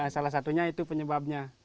salah satunya itu penyebabnya